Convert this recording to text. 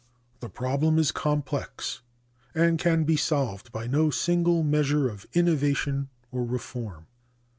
The problem is complex and can be solved by no single measure of innovation or reform.